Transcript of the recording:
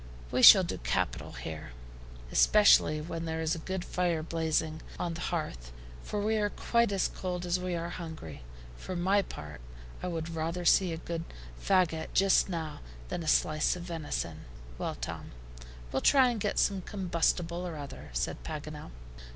We shall do capital here." "Especially when there is a good fire blazing on the hearth, for we are quite as cold as we are hungry. For my part, I would rather see a good faggot just now than a slice of venison." "Well, Tom, we'll try and get some combustible or other," said Paganel.